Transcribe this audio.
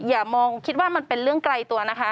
อย่ามองคิดว่ามันเป็นเรื่องไกลตัวนะคะ